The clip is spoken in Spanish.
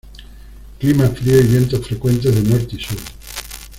Clima frío y vientos frecuentes de norte y sur.